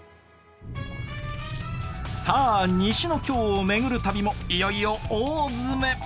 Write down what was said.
さあ西の京を巡る旅もいよいよ大詰め！